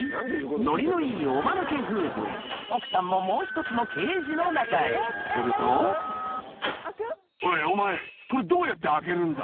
ノリのいいおマヌケ夫婦奥さんももう一つのケージの中へすると「おいお前これどうやって開けるんだ？」